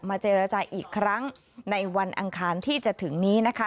เจรจาอีกครั้งในวันอังคารที่จะถึงนี้นะคะ